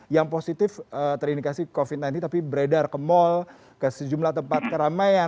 yang positif terindikasi covid sembilan belas tapi beredar ke mal ke sejumlah tempat keramaian